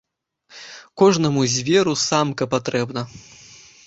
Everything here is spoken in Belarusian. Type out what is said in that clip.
Кожнаму зверу самка патрэбна.